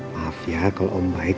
maaf ya kalau om baik